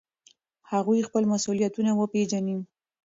هغوی خپل مسؤلیتونه وپیژني.